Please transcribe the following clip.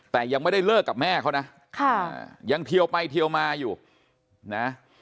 แต่ยังไม่ได้เลิกกับแม่เขานะค่ะยังเทียวไปเทียวมาอยู่นะ